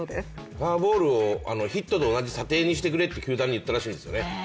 フォアボールをヒットと同じ査定にしてくれって球団に言ったそうですね。